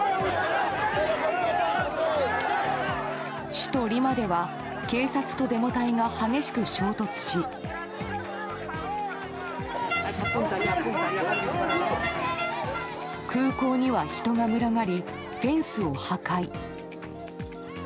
首都リマでは警察とデモ隊が激しく衝突し空港には人がむらがりフェンスを破壊。